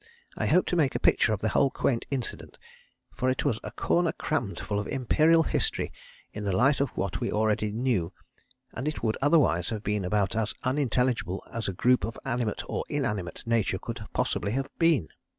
I hope to make a picture of the whole quaint incident, for it was a corner crammed full of Imperial history in the light of what we already knew, and it would otherwise have been about as unintelligible as any group of animate or inanimate nature could possibly have been.